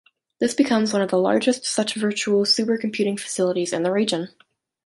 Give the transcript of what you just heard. This becomes one of the largest such virtual supercomputing facilities in the region.